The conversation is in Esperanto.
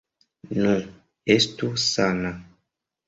Nu, estu sana.